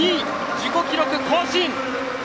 自己記録更新です。